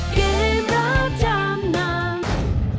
เกมรับชามนำ